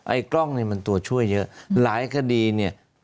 กล้องนี่มันตัวช่วยเยอะหลายคดีเนี่ย